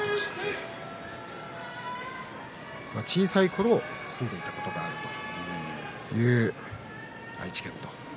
小さいころ住んでいたことがあるということです。